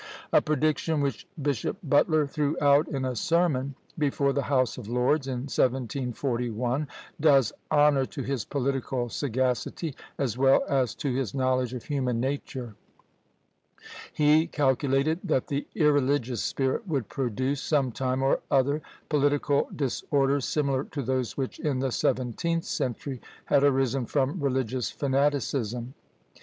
A prediction which Bishop Butler threw out in a sermon before the House of Lords, in 1741, does honour to his political sagacity, as well as to his knowledge of human nature; he calculated that the irreligious spirit would produce, some time or other, political disorders similar to those which, in the seventeenth century, had arisen from religious fanaticism.